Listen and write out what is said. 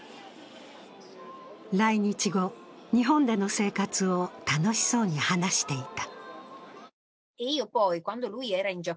来日後、日本での生活を楽しそうに話していた。